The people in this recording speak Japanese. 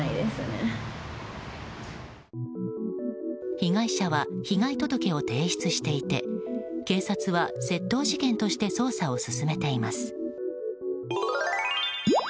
被害者は被害届を提出していて警察は窃盗事件として捜査を進めています。